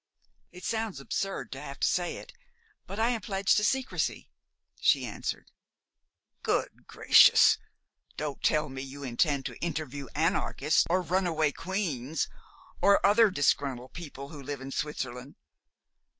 "It sounds absurd to have to say it, but I am pledged to secrecy," she answered. "Good gracious! Don't tell me you intend to interview anarchists, or runaway queens, or the other disgruntled people who live in Switzerland.